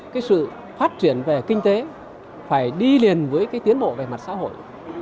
cái sự phát triển về kinh tế phải đi liền với cái tiến bộ về mặt xã hội